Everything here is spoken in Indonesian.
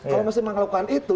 kalau masih melakukan itu